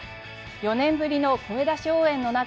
４年ぶりの声出し応援の中